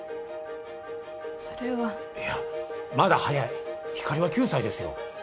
それはいやまだ早いひかりは９歳ですよ